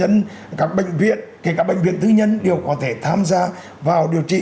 các bệnh nhân các bệnh viện kể cả bệnh viện thư nhân đều có thể tham gia vào điều trị